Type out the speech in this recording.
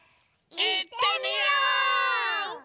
いってみよう！